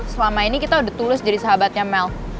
selama ini kita udah tulus jadi sahabatnya melk